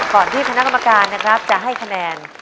ก่อนที่คณะกรรมการจะให้คะแนน